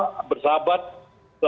sama bersahabat dengan negara negara